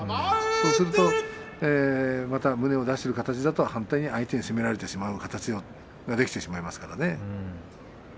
そうすると胸を出している形だと反対に相手に攻められる形ができてしまうわけですね。